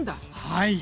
はい。